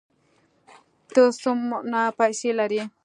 ته څونه پېسې لرې؟